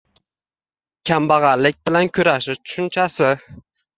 «kambag‘allik bilan kurashish» tushunchasi